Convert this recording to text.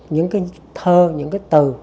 những cái thơ những cái từ